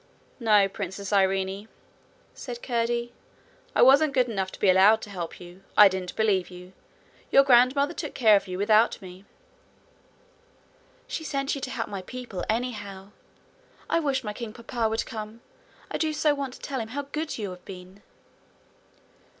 'No, Princess Irene,' said Curdie; 'I wasn't good enough to be allowed to help you: I didn't believe you. Your grandmother took care of you without me.' 'She sent you to help my people, anyhow. I wish my king papa would come. I do want so to tell him how good you have been!'